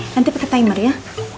nanti pake timer ya